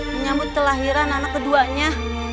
menyambut telahiran anak keduanya